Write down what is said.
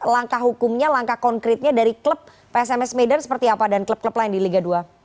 langkah hukumnya langkah konkretnya dari klub psms medan seperti apa dan klub klub lain di liga dua